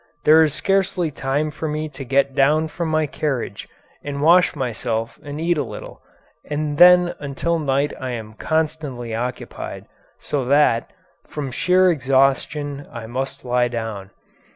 There is scarcely time for me to get down from my carriage and wash myself and eat a little, and then until night I am constantly occupied, so that, from sheer exhaustion, I must lie down.